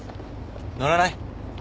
乗らない？